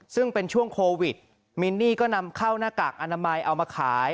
ซึ่งเป็นช่วงโควิดมินนี่ก็นำเข้าหน้ากากอนามัยเอามาขาย